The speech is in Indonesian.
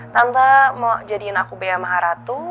tante mau jadiin aku bea maharatu